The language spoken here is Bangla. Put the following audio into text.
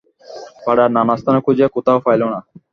পাড়ার নানাস্থানে খুঁজিয়া কোথাও পাইল না।